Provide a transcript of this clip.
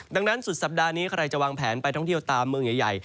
ดังนั้นสุดสัปดาห์นี้ใครจะวางแผนไปท่องเที่ยวตามเมืองใหญ่